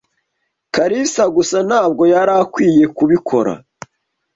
Kalisa gusa ntabwo yari akwiye kubikora.